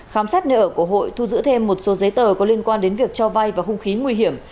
khám sát nợ của hội thu giữ thêm một số giấy tờ có liên quan đến việc cho vay và hung khí nguy hiểm